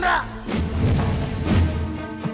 p nah satu